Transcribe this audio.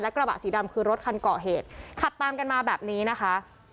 กระบะสีดำคือรถคันก่อเหตุขับตามกันมาแบบนี้นะคะ